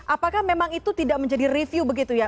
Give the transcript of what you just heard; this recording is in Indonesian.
apakah memang itu tidak menjadi review begitu ya